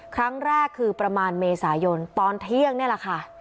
ครั้งแรกคือประมาณเมษายนตอนเที่ยงนี่แหละค่ะ